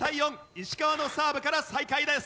石川のサーブから再開です。